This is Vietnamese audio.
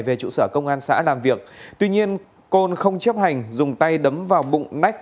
về trụ sở công an xã làm việc tuy nhiên côn không chấp hành dùng tay đấm vào bụng nách